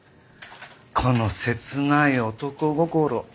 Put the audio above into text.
この切ない男心。